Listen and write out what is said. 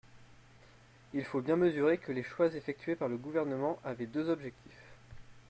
Il faut bien mesurer que les choix effectués par le Gouvernement avaient deux objectifs.